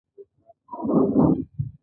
ځواک د جرم او تساعد ضرب دی.